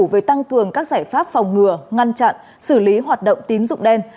về tăng cường các giải pháp phòng ngừa ngăn chặn xử lý hoạt động tín dụng đen